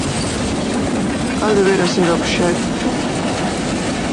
¿Cal debera ser o obxecto?